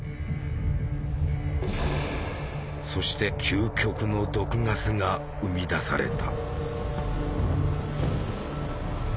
そして「究極の毒ガス」が生み出された。